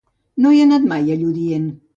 No he anat mai a Lludient.